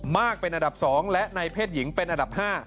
มากเป็นอันดับ๒และในเพศหญิงเป็นอันดับ๕